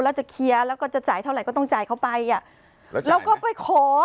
แล้วจะเคลียร์แล้วก็จะจ่ายเท่าไหร่ก็ต้องจ่ายเขาไปอ่ะแล้วก็ไปขอ